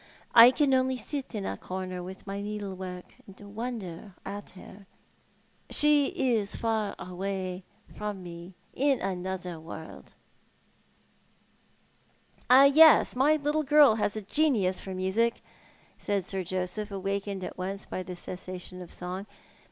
I can only sit in a corner, at my needlework, and wonder at her. She is far away from me — in another world." " Yes ; my little girl has a genius for music," said Sir Joseph, awakened at once l)y the cessation of song.